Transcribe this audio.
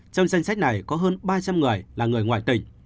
trong danh sách này có hơn ba trăm linh người là người ngoại tỉnh